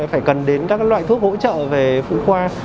phải cần đến các loại thuốc hỗ trợ về phụ khoa